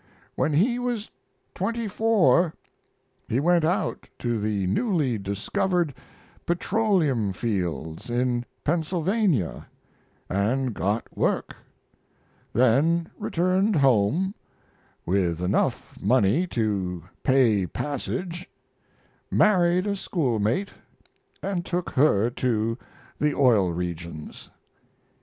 When he was twenty four he went out to the newly discovered petroleum fields in Pennsylvania and got work; then returned home, with enough money to pay passage, married a schoolmate, and took her to the oil regions.